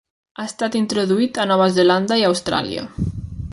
Ha estat introduït a Nova Zelanda i Austràlia.